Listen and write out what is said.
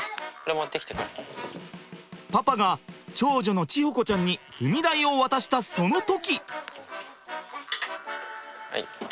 パパが長女の智穂子ちゃんに踏み台を渡したその時。